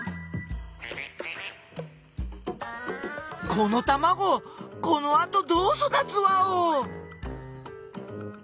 このたまごこのあとどうそだつワオ！？